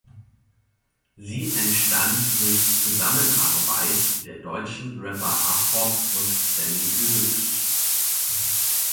Sie entstand durch Zusammenarbeit der deutschen Rapper Afrob und Samy Deluxe.